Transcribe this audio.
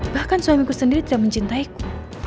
bahkan suamiku sendiri tidak mencintaiku